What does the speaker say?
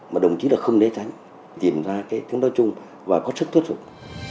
mà đồng chí là không né tránh tìm ra cái tính đối chung và có sức thuật dụng